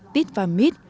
tít và mít